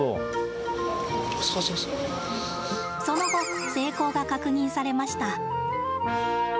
その後、成功が確認されました。